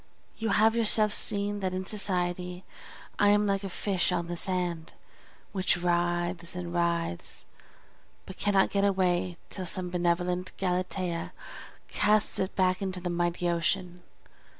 You have yourself seen that in society I am like a fish on the sand, which writhes and writhes, but cannot get away till some benevolent Galatea casts it back into the mighty ocean.